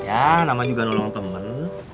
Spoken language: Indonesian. ya nama juga nolong temen